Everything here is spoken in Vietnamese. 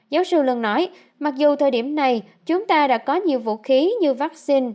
giáo sư luân nói mặc dù thời điểm này chúng ta đã có nhiều vũ khí như vaccine